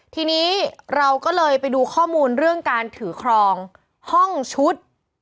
ทีนี้เราก็เลยไปดูข้อมูลเรื่องการถือครองห้องชุด